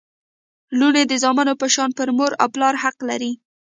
لوڼي د زامنو په شان پر مور او پلار حق لري